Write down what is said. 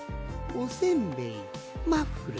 おせんべいマフラー